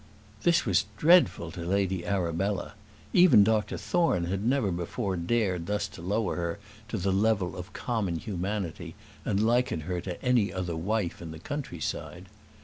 This was dreadful to Lady Arabella. Even Dr Thorne had never before dared thus to lower her to the level of common humanity, and liken her to any other wife in the country side.